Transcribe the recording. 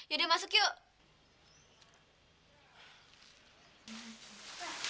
yaudah masuk yuk